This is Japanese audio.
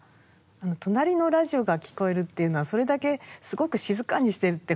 隣のラジオが聞こえるっていうのはそれだけすごく静かにしてるってことですよね。